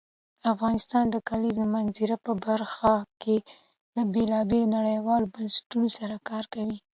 افغانستان د کلیزو منظره په برخه کې له بېلابېلو نړیوالو بنسټونو سره کار کوي.